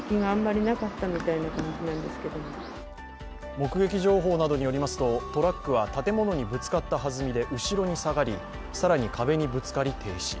目撃情報などによりますとトラックは建物にぶつかったはずみで後ろに下がり、さらに壁にぶつかり停止。